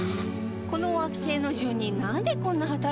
この惑星の住人なんでこんな働くの？